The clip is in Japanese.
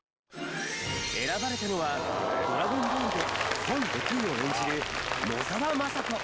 選ばれたのは『ドラゴンボール』で孫悟空を演じる野沢雅子。